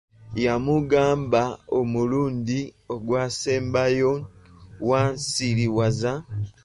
Yamugamba, omulundi ogwasembayo wansiriwaza!